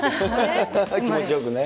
気持ちよくね。